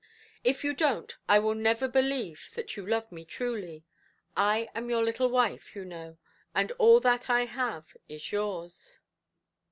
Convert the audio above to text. "If you donʼt, I will never believe that you love me truly. I am your little wife, you know; and all that I have is yours".